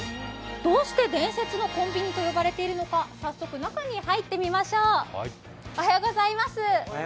どうして伝説のコンビニと呼ばれているのか早速中に入ってみましょう。